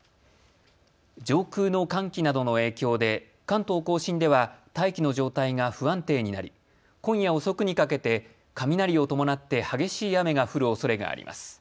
上空の寒気などの影響で関東甲信では大気の状態が不安定になり今夜遅くにかけて雷を伴って激しい雨が降るおそれがあります。